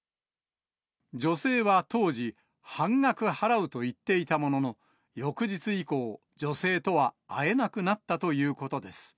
女性は当時、半額払うと言っていたものの、翌日以降、女性とは会えなくなったということです。